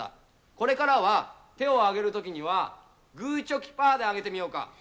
これからは、手を挙げるときには、グー・チョキ・パーで挙げてみようか。